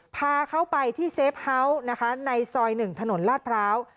พาเขาไปที่เซฟเฮาส์นะคะในซอย๑ถนนลาดพร้าว